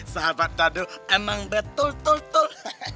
sahabat tadi emang betul betul